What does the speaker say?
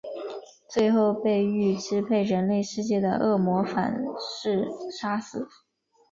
最后被欲支配人类世界的恶魔反噬杀死。